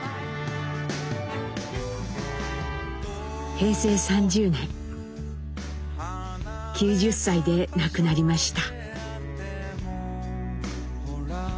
平成３０年９０歳で亡くなりました。